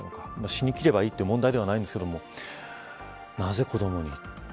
死に切ればいいという問題ではないんですがなぜ子どもに。